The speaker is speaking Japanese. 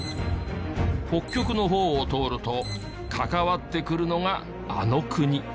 北極の方を通ると関わってくるのがあの国。